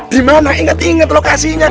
dimana inget inget lokasinya